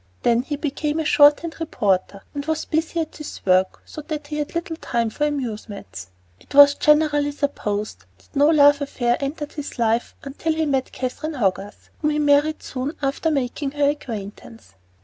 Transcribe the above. Then he became a shorthand reporter, and was busy at his work, so that he had little time for amusements. It has been generally supposed that no love affair entered his life until he met Catherine Hogarth, whom he married soon after making her acquaintance.